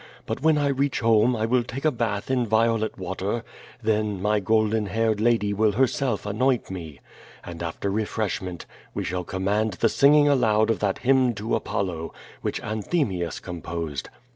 But when I reach home I will take a bath in violet water, then, my gol den haired lady will herself anoint me, and after refreshment we shall command the singing aloud of that hymn to Apollo, which Anthemius composed.